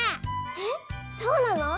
えそうなの？